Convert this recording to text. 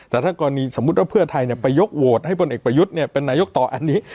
แต่ถ้ากรณีสมมุติว่าเพื่อไทยไปยกโหวตให้พลเอกประยุทธ์เป็นนายกต่ออันนี้